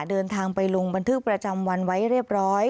เดินทางไปลงบันทึกประจำวันไว้เรียบร้อย